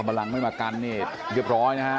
ลังไม่มากันนี่เรียบร้อยนะฮะ